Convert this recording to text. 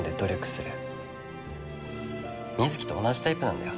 水城と同じタイプなんだよ